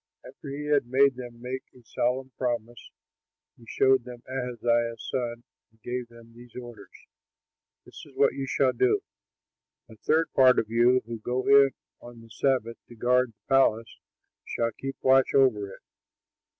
After he had made them make a solemn promise, he showed them Ahaziah's son, and gave them these orders, "This is what you shall do: a third part of you who go in on the Sabbath to guard the palace shall keep watch over it.